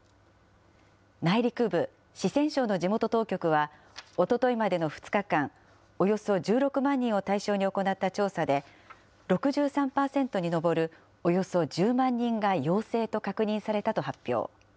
内陸部、四川省の地元当局は、おとといまでの２日間、およそ１６万人を対象に行った調査で、６３％に上るおよそ１０万人が陽性と確認されたと発表。